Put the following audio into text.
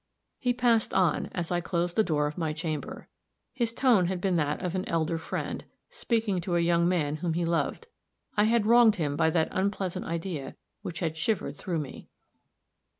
He passed on, as I closed the door of my chamber. His tone had been that of an elder friend, speaking to a young man whom he loved; I had wronged him by that unpleasant idea which had shivered through me.